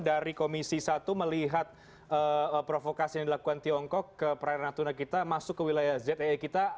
dari komisi satu melihat provokasi yang dilakukan tiongkok ke perairan natuna kita masuk ke wilayah zee kita